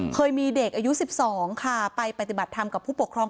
เคยมีเด็กอายุ๑๒ค่ะไปปฏิบัติธรรมกับผู้ปกครอง